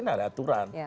ini ada aturan